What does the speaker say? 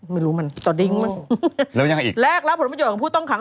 ไม่รู้มันต่อดิ้งมั้ง